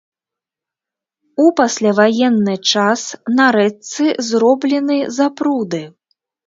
У пасляваенны час на рэчцы зроблены запруды.